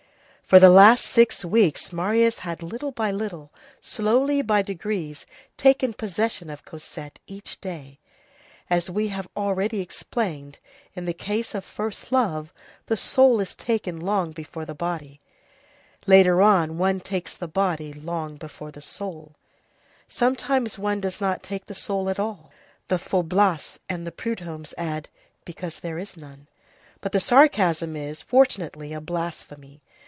For the last six weeks, Marius had little by little, slowly, by degrees, taken possession of Cosette each day. As we have already explained, in the case of first love, the soul is taken long before the body; later on, one takes the body long before the soul; sometimes one does not take the soul at all; the Faublas and the Prudhommes add: "Because there is none"; but the sarcasm is, fortunately, a blasphemy.